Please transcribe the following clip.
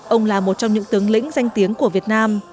ông là một trong những tướng lĩnh danh tiếng của việt nam